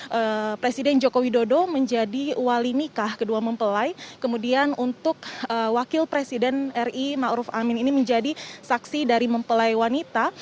jadi presiden joko widodo menjadi wali nikah kedua mempelai kemudian untuk wakil presiden ri ma'ruf amin ini menjadi saksi dari mempelai wanita